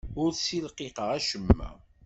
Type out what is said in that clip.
Ur ssilqiqeɣ acemma.